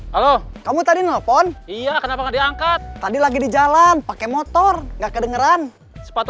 halo kamu tadi nelpon iya kenapa diangkat tadi lagi di jalan pakai motor enggak kedengeran sepatu